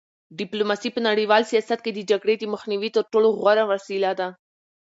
ډیپلوماسي په نړیوال سیاست کې د جګړې د مخنیوي تر ټولو غوره وسیله ده.